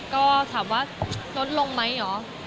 ก็ถามว่าลดลงไหมเหรอ